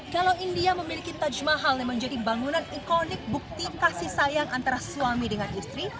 kalau india memiliki taj mahal yang menjadi bangunan ikonik bukti kasih sayang antara suami dengan istri